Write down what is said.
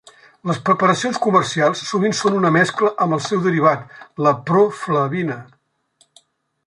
Les preparacions comercials sovint són una mescla amb el seu derivat, la proflavina.